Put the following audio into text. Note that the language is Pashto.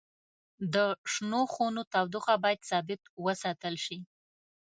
د شنو خونو تودوخه باید ثابت وساتل شي.